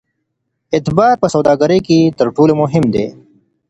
اعتبار په سوداګرۍ کې تر ټولو مهم دی.